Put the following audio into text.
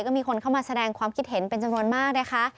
ก็มีคนเข้ามาแสดงความคิดเห็นเป็นจำนวนมากนะคะ